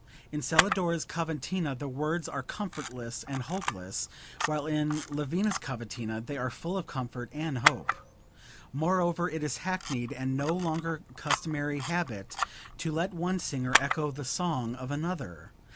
In Celidora's cavatina the words are comfortless and hopeless, while in Lavina's cavatina they are full of comfort and hope. Moreover it is hackneyed and no longer customary habit to let one singer echo the song of another.